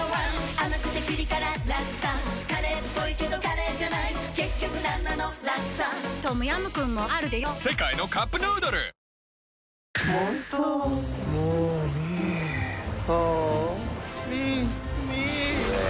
甘くてピリ辛ラクサカレーっぽいけどカレーじゃない結局なんなのラクサトムヤムクンもあるでヨ世界のカップヌードル叫びたくなる緑茶ってなんだ？